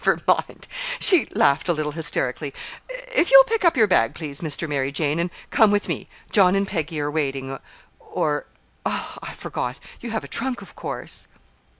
"Never mind," she laughed a little hysterically. "If you'll pick up your bag, please, Mr. Mary Jane, and come with me. John and Peggy are waiting. Or I forgot you have a trunk, of course?"